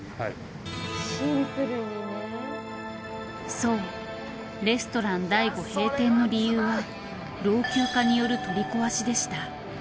そうレストラン醍醐閉店の理由は老朽化による取り壊しでした。